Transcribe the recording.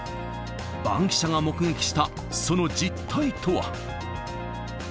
バンキシャが目撃したその実態とは。